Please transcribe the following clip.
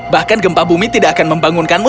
bahkan gempa bumi tidak akan membangunkanmu